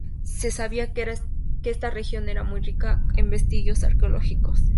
Se sabía que esta región era muy rica en vestigios arqueológicos.